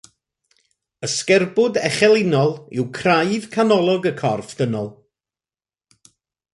Y sgerbwd echelinol yw craidd canolog y corff dynol